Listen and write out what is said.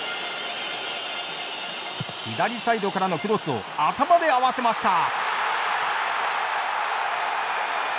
左サイドからのクロスを頭で合わせました。